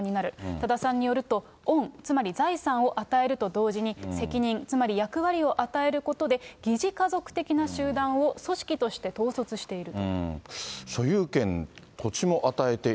多田さんによると、恩、つまり財産を与えると同時に責任、つまり役割を与えることで、疑似家族的な集団を組織として統率していると。